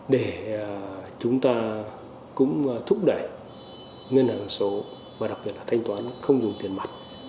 để chúng ta cũng thúc đẩy ngân hàng đổi số và đặc biệt là thanh toán không dùng tiền mặt